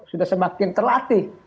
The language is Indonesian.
sudah semakin terlatih